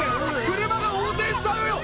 車が横転しちゃうよ！